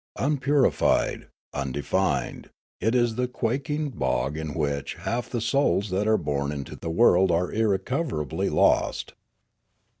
Unpurified, undefined, it is the quaking bog in which half the souls that are born into the world are irrecoverably lost.